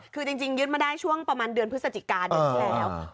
คือจริงยึดมาได้ช่วงประมาณเดือนพฤศจิกาเดือนที่แล้ว